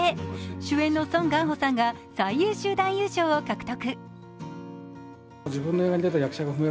主演のソン・ガンホさんが最優秀男優賞を獲得。